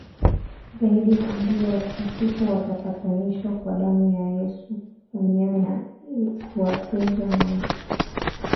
Zaidi na ambalo watakatifu watapatanishwa kwa damu ya Yesu mwenyewe na kuwezeshwa na Yesu